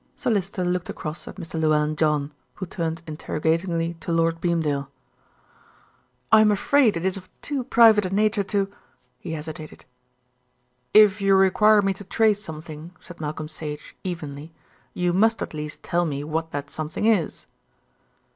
Sir Lyster looked across at Mr. Llewellyn John, who turned interrogatingly to Lord Beamdale. "I am afraid it is of too private a nature to " he hesitated. "If you require me to trace something," said Malcolm Sage evenly, "you must at least tell me what that something is."